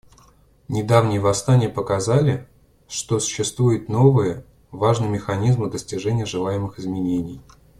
Недавние восстания показали, что существуют новые, важные механизмы достижения желаемых изменений.